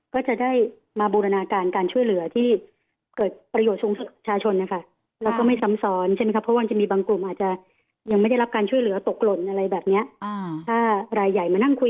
ก็จะได้มาบูรณาการการช่วยเหลือที่เกิดประโยชนชาชนนะคะ